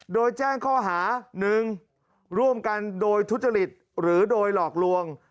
โดยแจ้งข้อหา๑ร่วมกันโดยทุจริตหรือโดยหลอกลวง